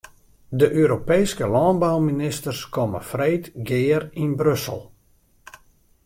De Europeeske lânbouministers komme freed gear yn Brussel.